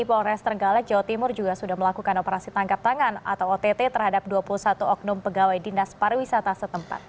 polres trenggalek jawa timur juga sudah melakukan operasi tangkap tangan atau ott terhadap dua puluh satu oknum pegawai dinas pariwisata setempat